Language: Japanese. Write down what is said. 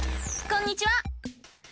こんにちは！